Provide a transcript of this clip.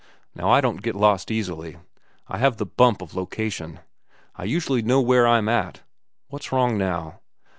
Now I don't get lost easily. I have the bump of location. I usually know where I'm at—What's wrong now?"